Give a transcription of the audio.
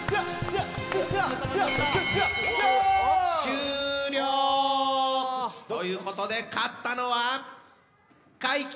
終了！ということで勝ったのは怪奇！